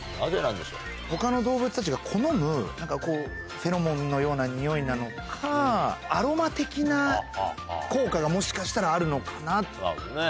ほかの動物たちが好む、なんかこう、フェロモンのようなにおいなのか、アロマ的な効果がもしかしたらあなるほどね。